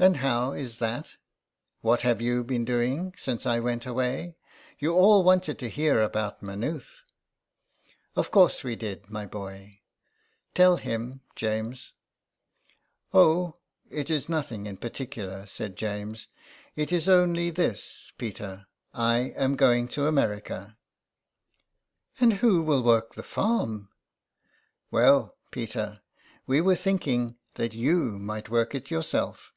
'' "And how is that? What have you been doing since I went away ? You all wanted to hear about Maynooth." " Of course we did, my boy. Tell him, James." '' Oh ! it is nothing particular," said James. " It is only this, Peter — I am going to America." " And who will work the farm ?"*' Well, Peter, we were thinking that you might work it yourself."